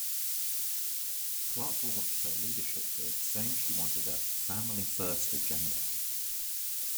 Clark launched her leadership bid saying she wanted a "family-first agenda".